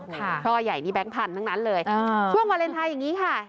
ท่อใหญ่นี่แก๊งพันธุ์ทั้งนั้นเลยช่วงวาเลนไทยอย่างนี้ค่ะ